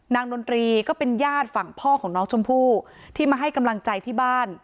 ดนตรีก็เป็นญาติฝั่งพ่อของน้องชมพู่ที่มาให้กำลังใจที่บ้าน